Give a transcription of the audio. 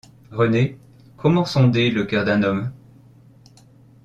Renée, comment sonder le cœur d’un homme?